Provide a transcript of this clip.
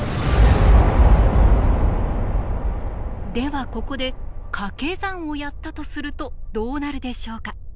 ではここでかけ算をやったとするとどうなるでしょうか？